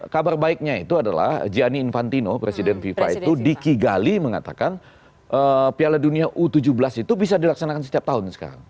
kabar baiknya itu adalah gianni infantino presiden fifa itu dikigali mengatakan piala dunia u tujuh belas itu bisa dilaksanakan setiap tahun sekarang